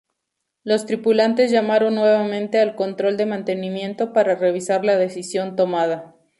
Los tripulantes llamaron nuevamente al control de mantenimiento para revisar la decisión tomada.